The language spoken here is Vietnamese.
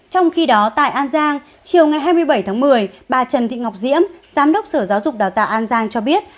trong khi đó tại an giang chiều ngày hai mươi bảy tháng một mươi bà trần thị ngọc diễm giám đốc sở giáo dục đào tạo an giang cho biết